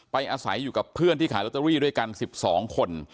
อาศัยอยู่กับเพื่อนที่ขายลอตเตอรี่ด้วยกัน๑๒คน